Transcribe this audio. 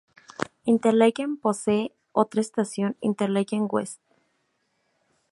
Interlaken posee otra estación, Interlaken West.